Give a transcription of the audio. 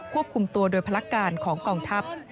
ควบคุมตัวโดยพลักการของกองทัพ